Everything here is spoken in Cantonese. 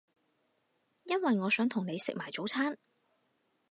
因為我想同你食埋早餐